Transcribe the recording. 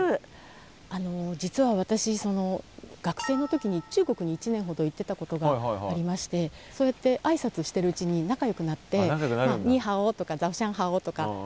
実は私学生の時に中国に１年ほど行ってたことがありましてそうやって挨拶してるうちに仲よくなってニイハオとかザオシャンハオとか。